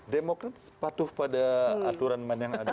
demokrat sepatuh pada aturan man yang ada